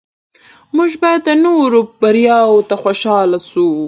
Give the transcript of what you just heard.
موږ باید د نورو بریاوو ته خوشحاله شو